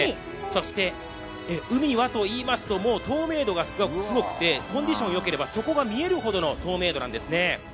そして、海はといいますと透明度がすごくてコンディションがよければ底が見えるほどの透明度なんですね。